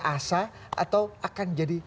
asa atau akan jadi